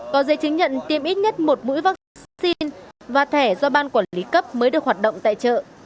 có giấy chứng nhận tiêm ít nhất một mũi vaccine và thẻ do ban quản lý cấp mới được hoạt động tại chợ